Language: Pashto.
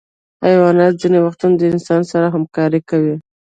حیوانات ځینې وختونه د انسان سره همکاري کوي.